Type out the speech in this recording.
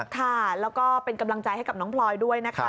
ค่ะแล้วก็เป็นกำลังใจให้กับน้องพลอยด้วยนะคะ